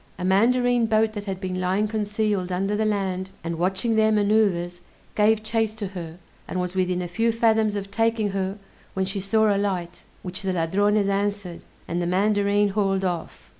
A mandarine boat that had been lying concealed under the land, and watching their maneuvers, gave chase to her, and was within a few fathoms of taking her, when she saw a light, which the Ladrones answered, and the Mandarine hauled off.